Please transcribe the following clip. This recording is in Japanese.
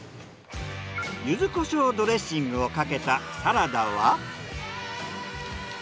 柚子胡椒ドレッシングをかけたサラダは？